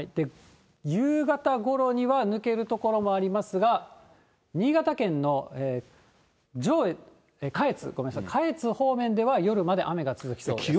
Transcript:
夕方ごろには抜ける所もありますが、新潟県の下越、下越方面では夜まで雨が続きそうです。